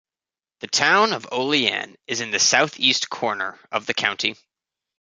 The town of Olean is in the southeast corner of the county.